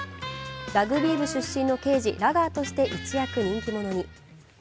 ラグビー部出身の刑事、ラガーとして一躍人気者に。